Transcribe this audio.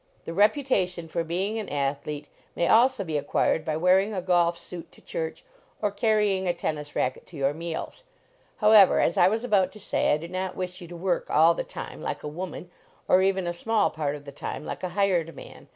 The reputation for being an athlete may also be acquired by wearing a golf suit to church, or carrying a tennis racket to your meals. However, as I was about to say, I do not wish you to work all the time, like a woman, or even a smallpart of the time, like a hired man.